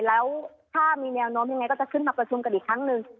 แล้วถ้ามีแนวโน้มยังไงก็จะขึ้นมาประชุมกันอีกครั้งหนึ่ง